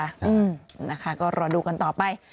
ใช่ไหมคะอืมนะคะก็รอดูกันต่อไป